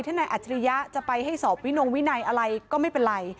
ถ้านายอัจฉริยะจะไปให้สอบวินงวินัยอะไรก็ไม่เป็นไร